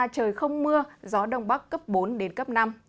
trời không mưa gió đông bắc cấp bốn đến cấp năm